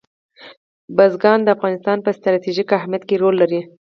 بزګان د افغانستان په ستراتیژیک اهمیت کې رول لري.